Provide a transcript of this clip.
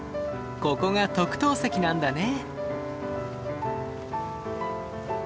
ここが特等席なんだね。